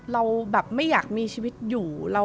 เราแบบไม่อยากมีชีวิตอยู่